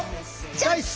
チョイス！